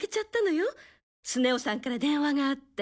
スネ夫さんから電話があって。